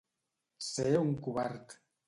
Ser un covard.